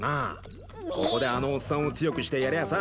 ここであのおっさんを強くしてやりゃあさ